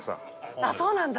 あっそうなんだ。